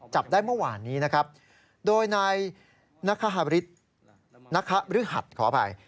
จับได้เมื่อวานนี้